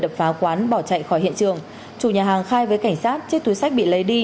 đập phá quán bỏ chạy khỏi hiện trường chủ nhà hàng khai với cảnh sát chiếc túi sách bị lấy đi